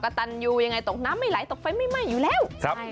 ขอบคุณครับขอบคุณครับขอบคุณครับ